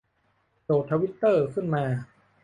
โหลดทวิตเตอร์ขึ้นมา